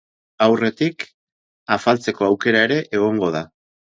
Aurretik afaltzeko aukera ere egongo da.